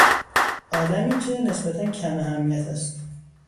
آدمی که نسبتا کم اهمیت است